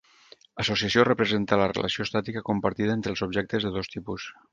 Associació representa la relació estàtica compartida entre els objectes de dos tipus.